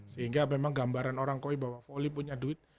sehingga memang gambaran orang koi bahwa volley punya duit